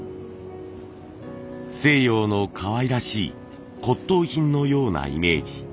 西洋のかわいらしい骨董品のようなイメージ。